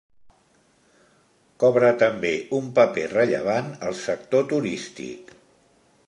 Cobra també un paper rellevant el sector turístic.